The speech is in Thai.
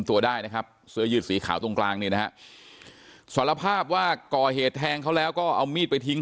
ตัวได้นะครับเสื้อยืดสีขาวตรงกลางเนี่ยนะฮะสารภาพว่าก่อเหตุแทงเขาแล้วก็เอามีดไปทิ้ง